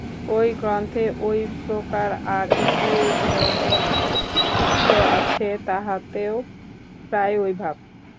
ঐ গ্রন্থে ঐ প্রকার আর একটি ধনীর সূত্ত আছে, তাহাতেও প্রায় ঐ ভাব।